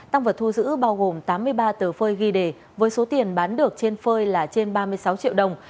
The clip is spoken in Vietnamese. tăng vật thu giữ bao gồm tám mươi ba tờ phơi ghi đề với số tiền bán được trên phơi là trên ba mươi sáu triệu đồng